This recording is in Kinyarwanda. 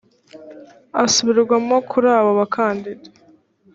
asubirwamo kuri abo bakandida